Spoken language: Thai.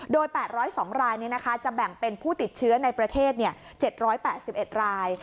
โดย๘๐๒รายจะแบ่งเป็นผู้ติดเชื้อในประเทศ๗๘๑ราย